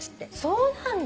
そうなんだ！？